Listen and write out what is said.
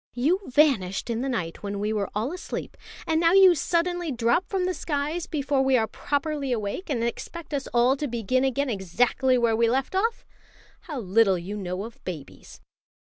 "You vanished in the night when we were all asleep, and now you suddenly drop from the skies before we are properly awake, and expect us all to begin again exactly where we left off. How little you know of babies!"